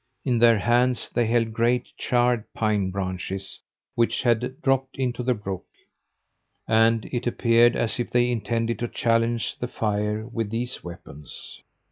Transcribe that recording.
In their hands they held great, charred pine branches which had dropped into the brook, and it appeared as if they intended to challenge the fire with these weapons.